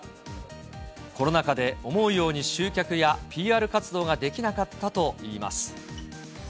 コロナ禍で思うように集客やＰＲ活動ができなかったといいます。